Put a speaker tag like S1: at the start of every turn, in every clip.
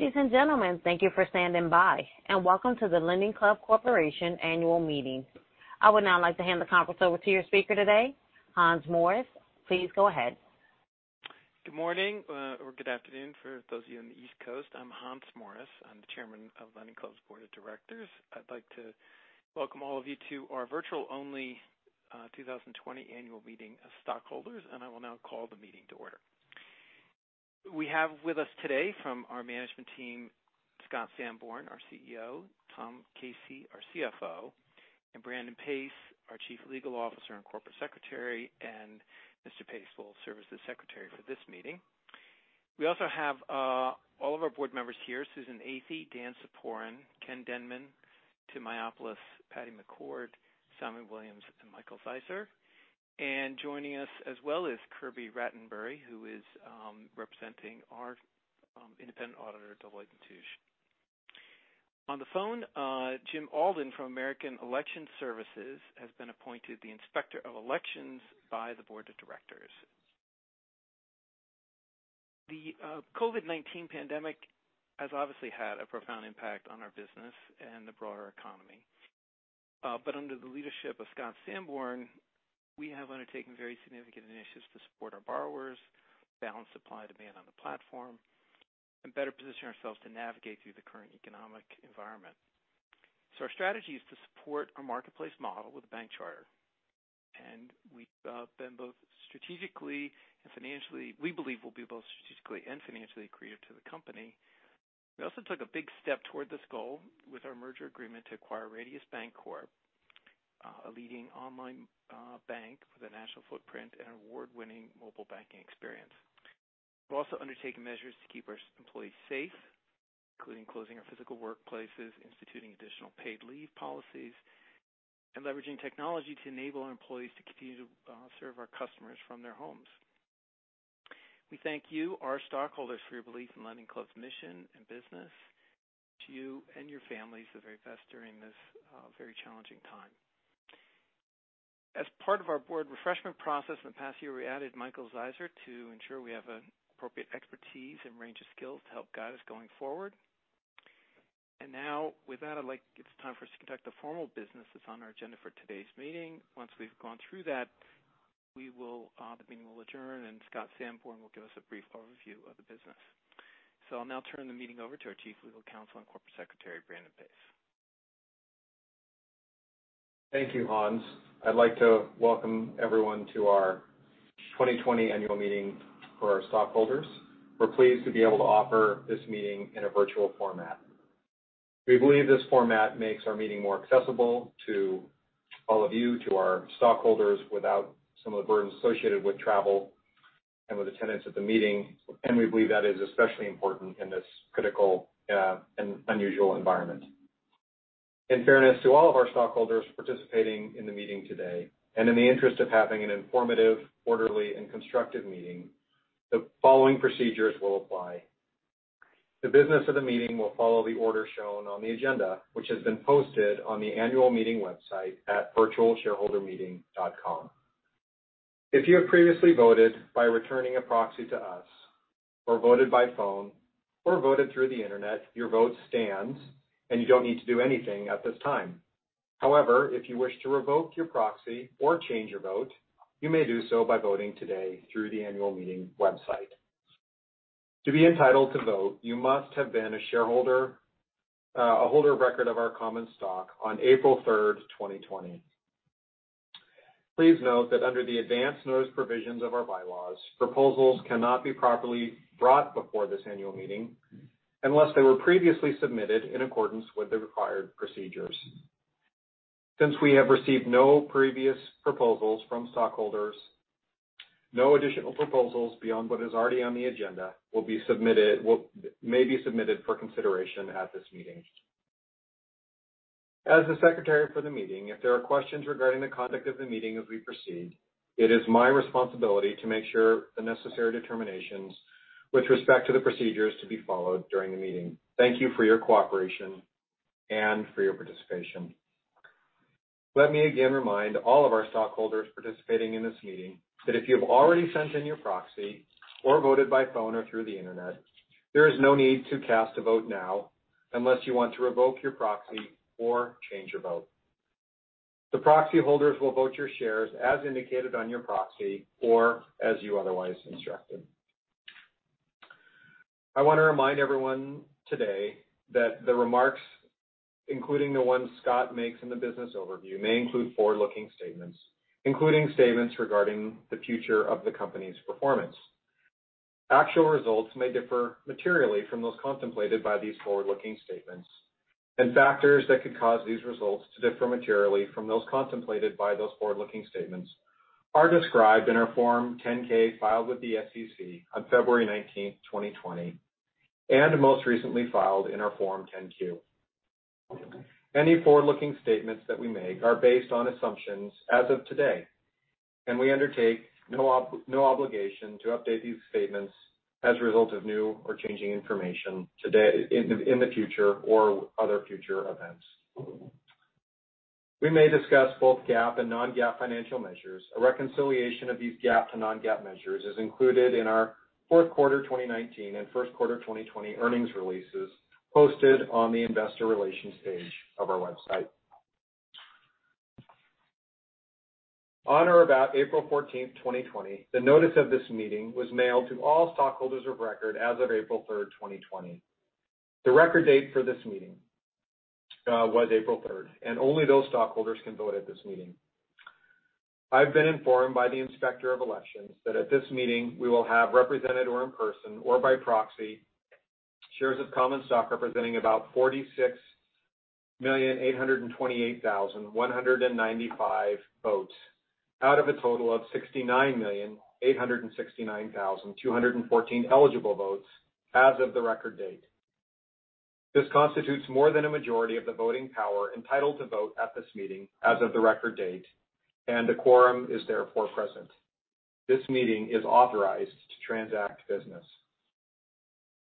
S1: Ladies and gentlemen, thank you for standing by, and welcome to the LendingClub Corporation Annual Meeting. I would now like to hand the conference over to your speaker today, Hans Morris. Please go ahead.
S2: Good morning, or good afternoon for those of you on the East Coast. I'm Hans Morris. I'm the chairman of LendingClub's Board of Directors. I'd like to welcome all of you to our virtual-only 2020 annual meeting of stockholders, and I will now call the meeting to order. We have with us today from our management team, Scott Sanborn, our CEO, Tom Casey, our CFO, and Brandon Pace, our Chief Legal Officer and Corporate Secretary, and Mr. Pace will serve as the secretary for this meeting. We also have all of our board members here: Susan Athey, Dan Ciporin, Ken Denman, Tim Mayopoulos, Patty McCord, Simon Williams, and Michael Zeisser. Joining us as well is Kirby Rattenbury, who is representing our independent auditor, Deloitte & Touche. On the phone, Jim Alden from American Election Services has been appointed the inspector of elections by the Board of Directors. The COVID-19 pandemic has obviously had a profound impact on our business and the broader economy. Under the leadership of Scott Sanborn, we have undertaken very significant initiatives to support our borrowers, balance supply-demand on the platform, and better position ourselves to navigate through the current economic environment. Our strategy is to support our marketplace model with a bank charter. We believe we will be both strategically and financially creative to the company. We also took a big step toward this goal with our merger agreement to acquire Radius Bancorp, a leading online bank with a national footprint and an award-winning mobile banking experience. We have also undertaken measures to keep our employees safe, including closing our physical workplaces, instituting additional paid leave policies, and leveraging technology to enable our employees to continue to serve our customers from their homes. We thank you, our stockholders, for your belief in LendingClub's mission and business. Wish you and your families the very best during this very challenging time. As part of our board refreshment process in the past year, we added Michael Zeisser to ensure we have appropriate expertise and range of skills to help guide us going forward. With that, I'd like—it's time for us to conduct the formal business that's on our agenda for today's meeting. Once we've gone through that, the meeting will adjourn, and Scott Sanborn will give us a brief overview of the business. I'll now turn the meeting over to our Chief Legal Officer and Corporate Secretary, Brandon Pace.
S3: Thank you, Hans. I'd like to welcome everyone to our 2020 annual meeting for our stockholders. We're pleased to be able to offer this meeting in a virtual format. We believe this format makes our meeting more accessible to all of you, to our stockholders, without some of the burdens associated with travel and with attendance at the meeting. We believe that is especially important in this critical and unusual environment. In fairness to all of our stockholders participating in the meeting today, and in the interest of having an informative, orderly, and constructive meeting, the following procedures will apply. The business of the meeting will follow the order shown on the agenda, which has been posted on the annual meeting website at virtualshareholdermeeting.com. If you have previously voted by returning a proxy to us, or voted by phone, or voted through the internet, your vote stands, and you don't need to do anything at this time. However, if you wish to revoke your proxy or change your vote, you may do so by voting today through the annual meeting website. To be entitled to vote, you must have been a shareholder of record of our common stock on April 3, 2020. Please note that under the advance notice provisions of our bylaws, proposals cannot be properly brought before this annual meeting unless they were previously submitted in accordance with the required procedures. Since we have received no previous proposals from stockholders, no additional proposals beyond what is already on the agenda will be submitted or may be submitted for consideration at this meeting. As the secretary for the meeting, if there are questions regarding the conduct of the meeting as we proceed, it is my responsibility to make sure the necessary determinations with respect to the procedures to be followed during the meeting. Thank you for your cooperation and for your participation. Let me again remind all of our stockholders participating in this meeting that if you have already sent in your proxy or voted by phone or through the internet, there is no need to cast a vote now unless you want to revoke your proxy or change your vote. The proxy holders will vote your shares as indicated on your proxy or as you otherwise instructed. I want to remind everyone today that the remarks, including the ones Scott makes in the business overview, may include forward-looking statements, including statements regarding the future of the company's performance. Actual results may differ materially from those contemplated by these forward-looking statements, and factors that could cause these results to differ materially from those contemplated by those forward-looking statements are described in our Form 10-K filed with the SEC on February 19th, 2020, and most recently filed in our Form 10-Q. Any forward-looking statements that we make are based on assumptions as of today, and we undertake no obligation to update these statements as a result of new or changing information in the future or other future events. We may discuss both GAAP and non-GAAP financial measures. A reconciliation of these GAAP to non-GAAP measures is included in our fourth quarter 2019 and first quarter 2020 earnings releases posted on the investor relations page of our website. On or about April 14th, 2020, the notice of this meeting was mailed to all stockholders of record as of April 3rd, 2020. The record date for this meeting was April 3rd, and only those stockholders can vote at this meeting. I've been informed by the inspector of elections that at this meeting, we will have represented or in person or by proxy shares of common stock representing about 46,828,195 votes out of a total of 69,869,214 eligible votes as of the record date. This constitutes more than a majority of the voting power entitled to vote at this meeting as of the record date, and the quorum is therefore present. This meeting is authorized to transact business.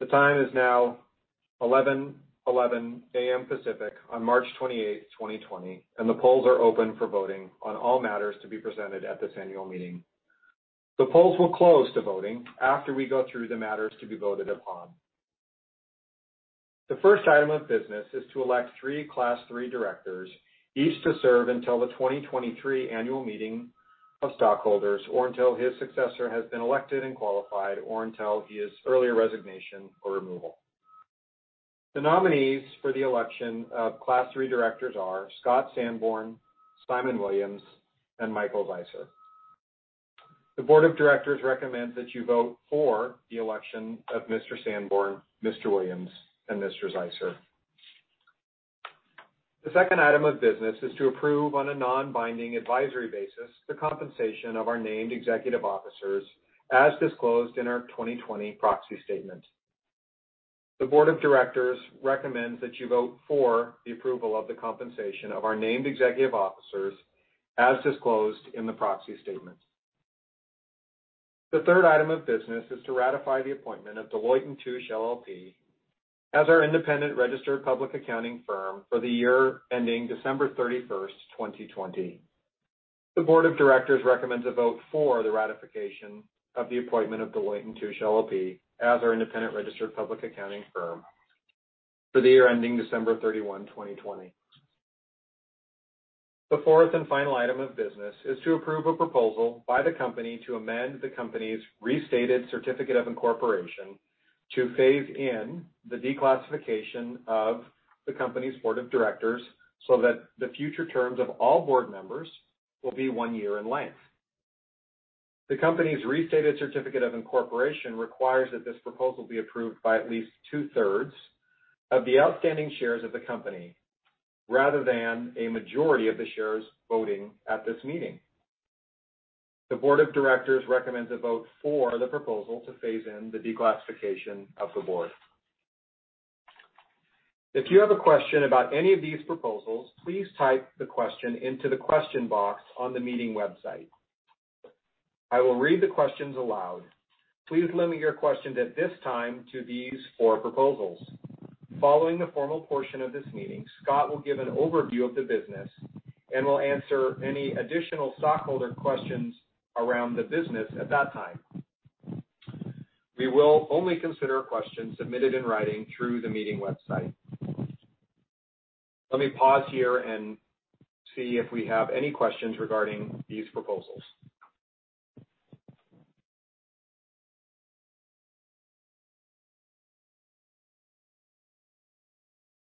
S3: The time is now 11:11 A.M. Pacific on March 28th, 2020, and the polls are open for voting on all matters to be presented at this annual meeting. The polls will close to voting after we go through the matters to be voted upon. The first item of business is to elect three Class 3 directors, each to serve until the 2023 annual meeting of stockholders or until his successor has been elected and qualified or until his earlier resignation or removal. The nominees for the election of Class 3 directors are Scott Sanborn, Simon Williams, and Michael Zeisser. The board of directors recommends that you vote for the election of Mr. Sanborn, Mr. Williams, and Mr. Zeisser. The second item of business is to approve on a non-binding advisory basis the compensation of our named executive officers as disclosed in our 2020 proxy statement. The board of directors recommends that you vote for the approval of the compensation of our named executive officers as disclosed in the proxy statement. The third item of business is to ratify the appointment of Deloitte & Touche LLP as our independent registered public accounting firm for the year ending December 31, 2020. The board of directors recommends a vote for the ratification of the appointment of Deloitte & Touche LLP as our independent registered public accounting firm for the year ending December 31, 2020. The fourth and final item of business is to approve a proposal by the company to amend the company's restated certificate of incorporation to phase in the declassification of the company's board of directors so that the future terms of all board members will be one year in length. The company's restated certificate of incorporation requires that this proposal be approved by at least two-thirds of the outstanding shares of the company rather than a majority of the shares voting at this meeting. The board of directors recommends a vote for the proposal to phase in the declassification of the board. If you have a question about any of these proposals, please type the question into the question box on the meeting website. I will read the questions aloud. Please limit your questions at this time to these four proposals. Following the formal portion of this meeting, Scott will give an overview of the business and will answer any additional stockholder questions around the business at that time. We will only consider questions submitted in writing through the meeting website. Let me pause here and see if we have any questions regarding these proposals.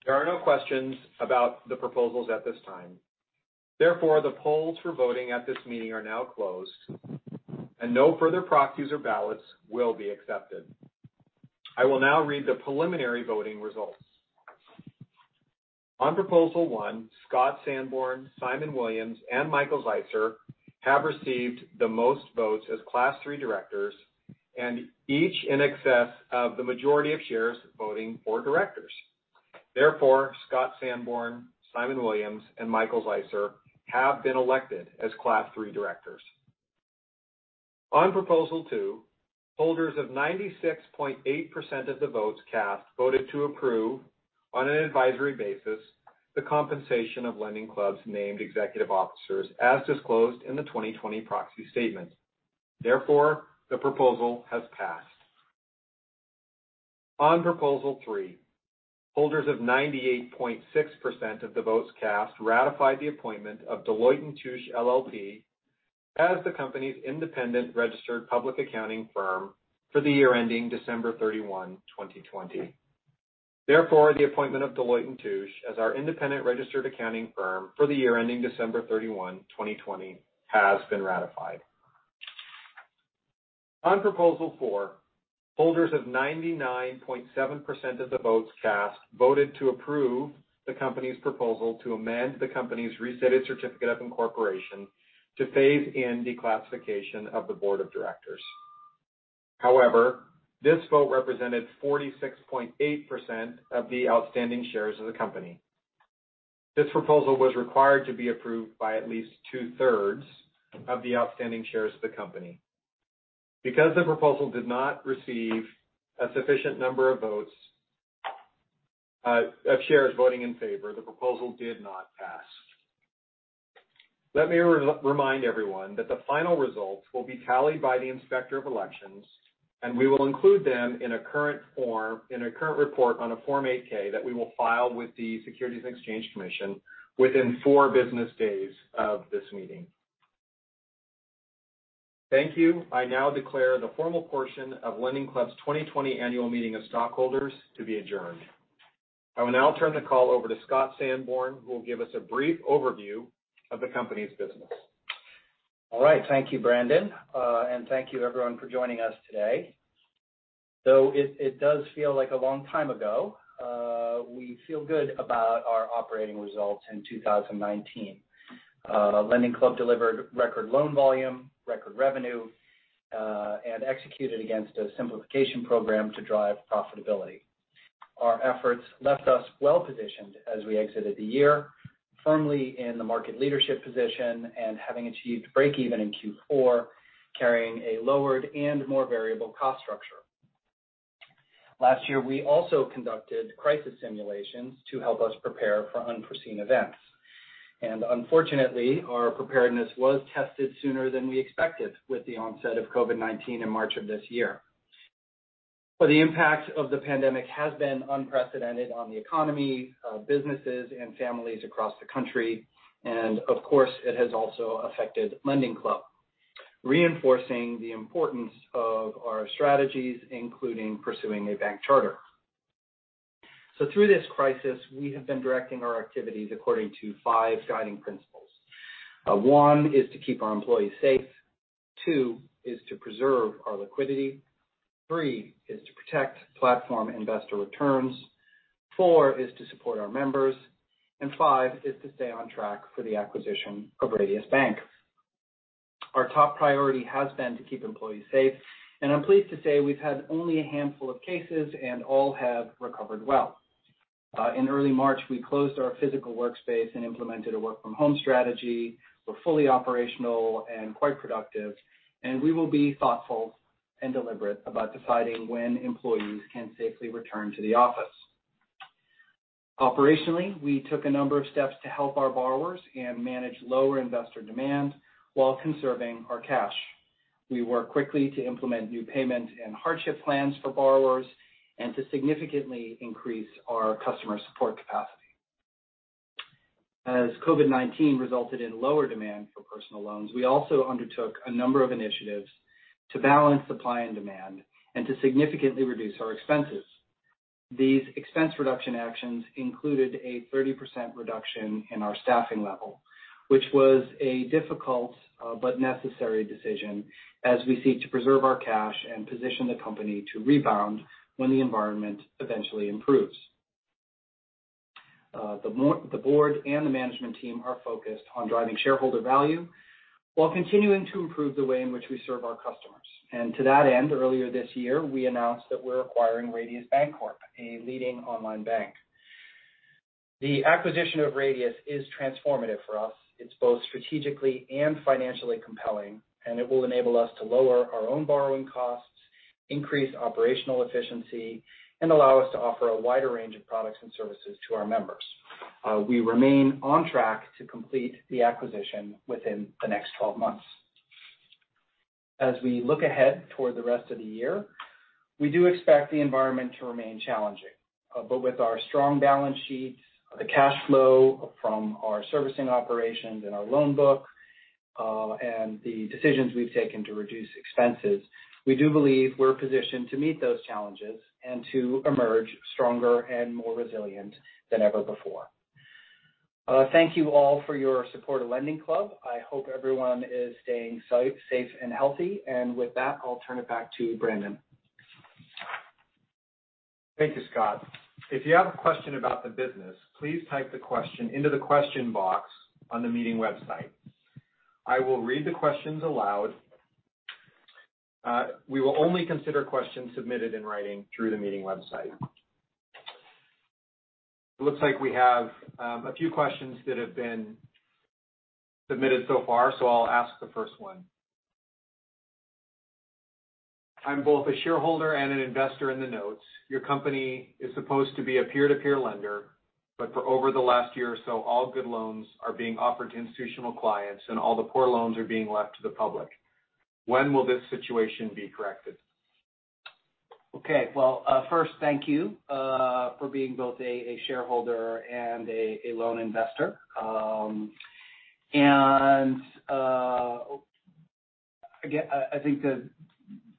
S3: There are no questions about the proposals at this time. Therefore, the polls for voting at this meeting are now closed, and no further proxies or ballots will be accepted. I will now read the preliminary voting results. On proposal one, Scott Sanborn, Simon Williams, and Michael Zeisser have received the most votes as Class 3 directors and each in excess of the majority of shares voting for directors. Therefore, Scott Sanborn, Simon Williams, and Michael Zeisser have been elected as Class 3 directors. On proposal two, holders of 96.8% of the votes cast voted to approve on an advisory basis the compensation of LendingClub's named executive officers as disclosed in the 2020 proxy statement. Therefore, the proposal has passed. On proposal three, holders of 98.6% of the votes cast ratified the appointment of Deloitte & Touche LLP as the company's independent registered public accounting firm for the year ending December 31, 2020. Therefore, the appointment of Deloitte & Touche LLP as our independent registered accounting firm for the year ending December 31, 2020 has been ratified. On proposal four, holders of 99.7% of the votes cast voted to approve the company's proposal to amend the company's restated certificate of incorporation to phase in declassification of the board of directors. However, this vote represented 46.8% of the outstanding shares of the company. This proposal was required to be approved by at least two-thirds of the outstanding shares of the company. Because the proposal did not receive a sufficient number of votes of shares voting in favor, the proposal did not pass. Let me remind everyone that the final results will be tallied by the inspector of elections, and we will include them in a current report on a Form 8-K that we will file with the Securities and Exchange Commission within four business days of this meeting. Thank you. I now declare the formal portion of LendingClub's 2020 annual meeting of stockholders to be adjourned. I will now turn the call over to Scott Sanborn, who will give us a brief overview of the company's business.
S4: All right. Thank you, Brandon, and thank you, everyone, for joining us today. Though it does feel like a long time ago, we feel good about our operating results in 2019. LendingClub delivered record loan volume, record revenue, and executed against a simplification program to drive profitability. Our efforts left us well-positioned as we exited the year, firmly in the market leadership position, and having achieved break-even in Q4, carrying a lowered and more variable cost structure. Last year, we also conducted crisis simulations to help us prepare for unforeseen events. Unfortunately, our preparedness was tested sooner than we expected with the onset of COVID-19 in March of this year. The impact of the pandemic has been unprecedented on the economy, businesses, and families across the country, and of course, it has also affected LendingClub, reinforcing the importance of our strategies, including pursuing a bank charter. Through this crisis, we have been directing our activities according to five guiding principles. One is to keep our employees safe. Two is to preserve our liquidity. Three is to protect platform investor returns. Four is to support our members. Five is to stay on track for the acquisition of Radius Bank. Our top priority has been to keep employees safe, and I'm pleased to say we've had only a handful of cases and all have recovered well. In early March, we closed our physical workspace and implemented a work-from-home strategy. We're fully operational and quite productive, and we will be thoughtful and deliberate about deciding when employees can safely return to the office. Operationally, we took a number of steps to help our borrowers and manage lower investor demand while conserving our cash. We worked quickly to implement new payment and hardship plans for borrowers and to significantly increase our customer support capacity. As COVID-19 resulted in lower demand for personal loans, we also undertook a number of initiatives to balance supply and demand and to significantly reduce our expenses. These expense reduction actions included a 30% reduction in our staffing level, which was a difficult but necessary decision as we seek to preserve our cash and position the company to rebound when the environment eventually improves. The board and the management team are focused on driving shareholder value while continuing to improve the way in which we serve our customers. To that end, earlier this year, we announced that we're acquiring Radius Bancorp, a leading online bank. The acquisition of Radius is transformative for us. It's both strategically and financially compelling, and it will enable us to lower our own borrowing costs, increase operational efficiency, and allow us to offer a wider range of products and services to our members. We remain on track to complete the acquisition within the next 12 months. As we look ahead toward the rest of the year, we do expect the environment to remain challenging. With our strong balance sheets, the cash flow from our servicing operations and our loan book, and the decisions we've taken to reduce expenses, we do believe we're positioned to meet those challenges and to emerge stronger and more resilient than ever before. Thank you all for your support of LendingClub. I hope everyone is staying safe and healthy. With that, I'll turn it back to Brandon.
S3: Thank you, Scott. If you have a question about the business, please type the question into the question box on the meeting website. I will read the questions aloud. We will only consider questions submitted in writing through the meeting website. It looks like we have a few questions that have been submitted so far, so I'll ask the first one. I'm both a shareholder and an investor in the notes. Your company is supposed to be a peer-to-peer lender, but for over the last year or so, all good loans are being offered to institutional clients, and all the poor loans are being left to the public. When will this situation be corrected?
S4: Okay. First, thank you for being both a shareholder and a loan investor. I think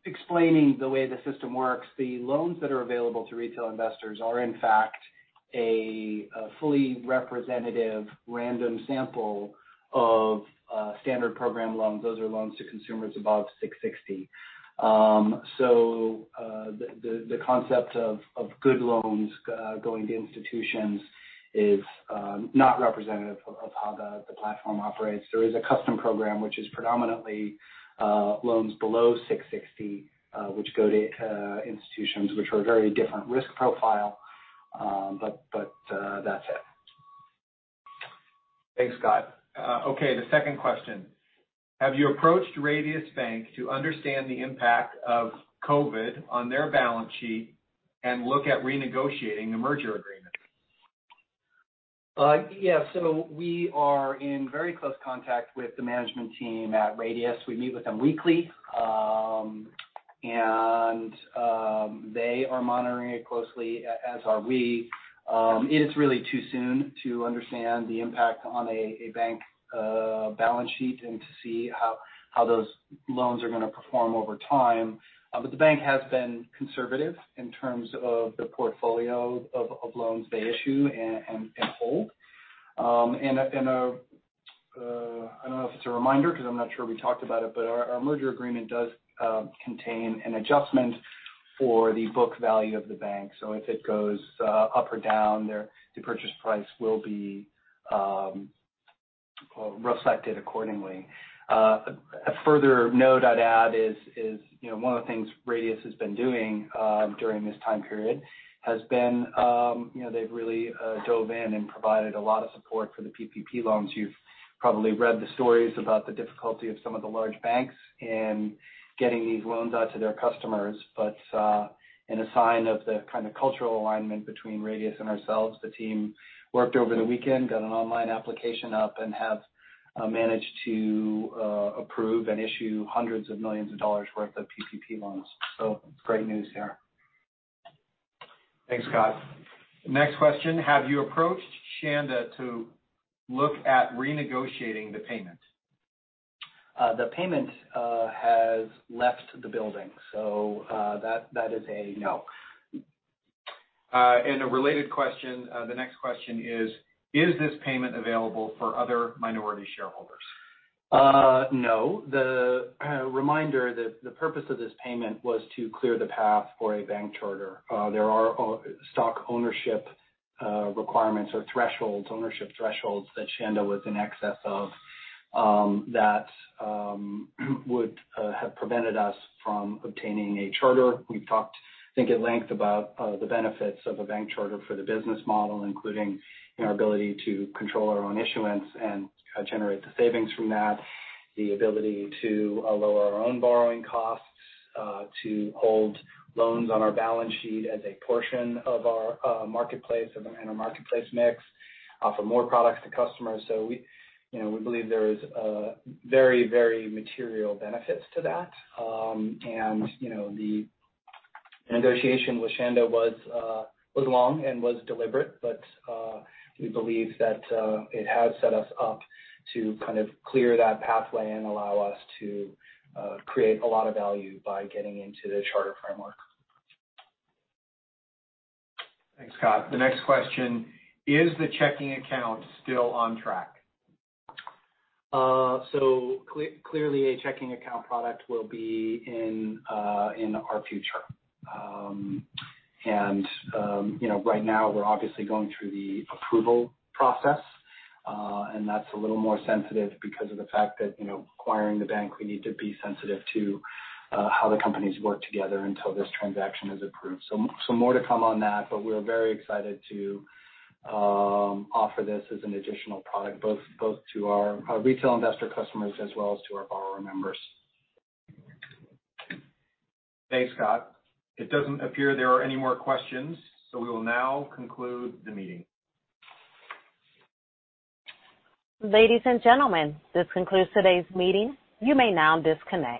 S4: explaining the way the system works, the loans that are available to retail investors are, in fact, a fully representative random sample of standard program loans. Those are loans to consumers above 660. The concept of good loans going to institutions is not representative of how the platform operates. There is a custom program, which is predominantly loans below 660, which go to institutions, which are a very different risk profile, but that's it.
S3: Thanks, Scott. Okay. The second question. Have you approached Radius Bank to understand the impact of COVID on their balance sheet and look at renegotiating the merger agreement?
S4: Yeah. We are in very close contact with the management team at Radius. We meet with them weekly, and they are monitoring it closely, as are we. It is really too soon to understand the impact on a bank balance sheet and to see how those loans are going to perform over time. The bank has been conservative in terms of the portfolio of loans they issue and hold. I do not know if it is a reminder because I am not sure we talked about it, but our merger agreement does contain an adjustment for the book value of the bank. If it goes up or down, the purchase price will be reflected accordingly. A further note I would add is one of the things Radius has been doing during this time period is they have really dove in and provided a lot of support for the PPP loans. You've probably read the stories about the difficulty of some of the large banks in getting these loans out to their customers. In a sign of the kind of cultural alignment between Radius and ourselves, the team worked over the weekend, got an online application up, and have managed to approve and issue hundreds of millions of dollars' worth of PPP loans. It's great news here.
S3: Thanks, Scott. Next question. Have you approached Shanda to look at renegotiating the payment?
S4: The payment has left the building, so that is a no.
S3: A related question, the next question is, is this payment available for other minority shareholders?
S4: No. The reminder that the purpose of this payment was to clear the path for a bank charter. There are stock ownership requirements or ownership thresholds that Shanda was in excess of that would have prevented us from obtaining a charter. We've talked, I think, at length about the benefits of a bank charter for the business model, including our ability to control our own issuance and generate the savings from that, the ability to lower our own borrowing costs, to hold loans on our balance sheet as a portion of our marketplace and our marketplace mix, offer more products to customers. We believe there are very, very material benefits to that. The negotiation with Shanda was long and was deliberate, but we believe that it has set us up to kind of clear that pathway and allow us to create a lot of value by getting into the charter framework.
S3: Thanks, Scott. The next question. Is the checking account still on track?
S4: Clearly, a checking account product will be in our future. Right now, we're obviously going through the approval process, and that's a little more sensitive because of the fact that acquiring the bank, we need to be sensitive to how the companies work together until this transaction is approved. More to come on that, but we're very excited to offer this as an additional product both to our retail investor customers as well as to our borrower members.
S3: Thanks, Scott. It doesn't appear there are any more questions, so we will now conclude the meeting.
S1: Ladies and gentlemen, this concludes today's meeting. You may now disconnect.